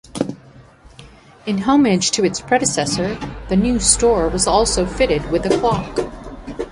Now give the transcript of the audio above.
In homage to its predecessor, the new store was also fitted with a clock.